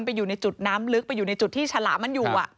ไปอยู่ในจุดน้ำลึกไปอยู่ในจุดที่ฉลามมันอยู่